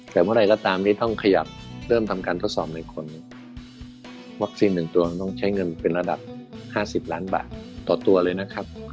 แต่เมื่อไหร่ก็ตามนี้ต้องขยับเริ่มทำการทดสอบในคนวัคซีน๑ตัวมันต้องใช้เงินเป็นระดับ๕๐ล้านบาทต่อตัวเลยนะครับ